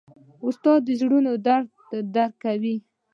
استاد د زړونو درد درک کوي.